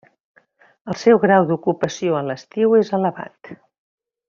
El seu grau d'ocupació a l'estiu és elevat.